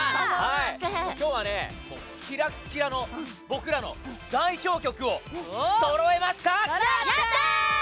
今日はキラッキラの僕らの代表曲をそろえました！